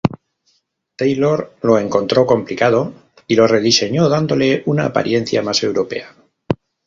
Taylor lo encontró complicado y lo rediseñó dándole una apariencia más europea.